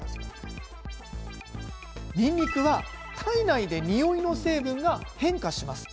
にんにくは体内でにおいの成分が変化します。